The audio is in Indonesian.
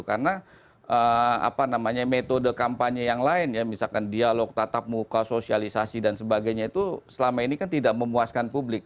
karena apa namanya metode kampanye yang lain ya misalkan dialog tatap muka sosialisasi dan sebagainya itu selama ini kan tidak memuaskan publik